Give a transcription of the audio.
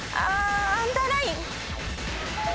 アンダーライン！